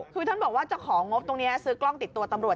คือท่านบอกว่าจะของงบตรงนี้ซื้อกล้องติดตัวตำรวจ